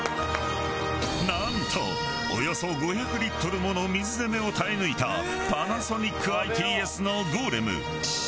なんとおよそ５００リットルもの水攻めを耐え抜いたＰａｎａｓｏｎｉｃＩＴＳのゴーレム。